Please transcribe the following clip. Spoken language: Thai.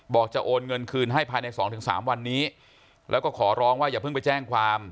จะโอนเงินคืนให้ภายในสองถึงสามวันนี้แล้วก็ขอร้องว่าอย่าเพิ่งไปแจ้งความ